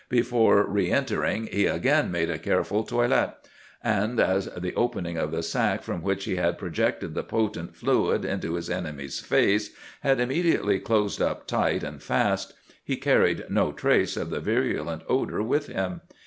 Before re entering he again made a careful toilet; and as the opening of the sac from which he had projected the potent fluid into his enemy's face had immediately closed up tight and fast, he carried no trace of the virulent odour with him.